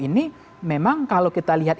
ini memang kalau kita lihat